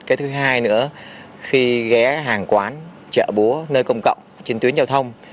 cái thứ hai nữa khi ghé hàng quán chợ búa nơi công cộng trên tuyến giao thông